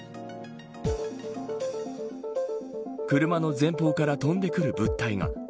車の前方から飛んでくる物体が。